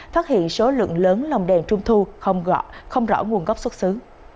phát hiện số lượng lớn lòng đèn trung thu không rõ nguồn gốc xuất xứ